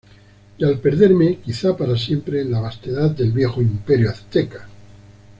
y al perderme, quizá para siempre, en la vastedad del viejo Imperio Azteca